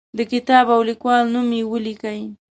د کتاب او لیکوال نوم یې ولیکئ.